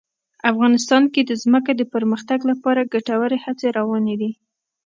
افغانستان کې د ځمکه د پرمختګ لپاره ګټورې هڅې روانې دي.